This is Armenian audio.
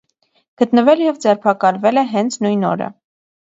Գտնվել և ձերբակալվել է հենց նույն օրը։